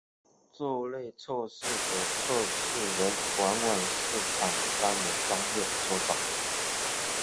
这类测试的测试人往往是厂商的专业车手。